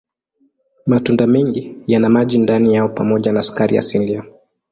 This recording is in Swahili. Matunda mengi yana maji ndani yao pamoja na sukari asilia.